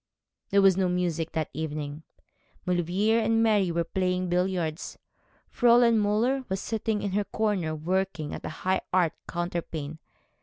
There was no music that evening. Maulevrier and Mary were playing billiards; Fräulein Müller was sitting in her corner working at a high art counterpane.